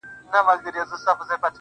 o چي په كالو بانـدې زريـــن نه ســـمــه.